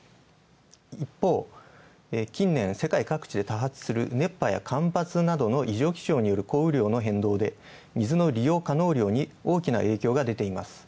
一方、近年世界各地で多発する熱波や干ばつなどの降雨量の変動で水の利用可能量に大きな影響がでている。